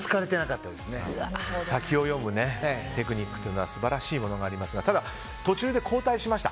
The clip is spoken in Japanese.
先を読むテクニックは素晴らしいものがありますがただ、途中で交代しました。